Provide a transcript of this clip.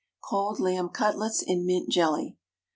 _Cold Lamb Cutlets in Mint Jelly.